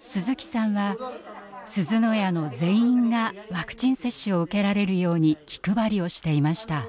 鈴木さんはすずの家の全員がワクチン接種を受けられるように気配りをしていました。